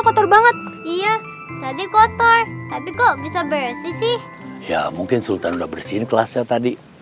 kotor banget iya tadi kotor tapi kok bisa psi sih ya mungkin sultan udah bersihin kelasnya tadi